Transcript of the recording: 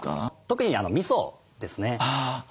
特にみそですね。